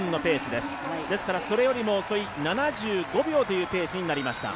ですからそれよりも遅い７５秒というペースになりました。